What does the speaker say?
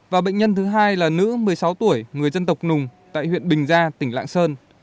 và bệnh nhân thứ hai là nữ một mươi sáu tuổi người dân tộc nùng tại huyện bình gia tỉnh lạng sơn